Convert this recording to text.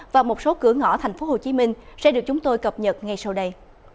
và một số cửa ngõ thành phố hồ chí minh sẽ được chúng tôi cập nhật ngay sau đây